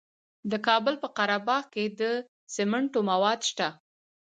د کابل په قره باغ کې د سمنټو مواد شته.